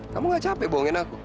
kamu gak capek bohongin aku